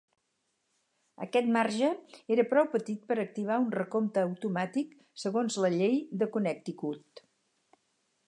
Aquest marge era prou petit per activar un recompte automàtic segons la llei de Connecticut.